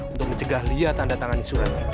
untuk mencegah lia tanda tangan surat